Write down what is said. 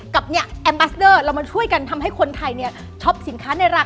คุณเป็นเจ้าของชายา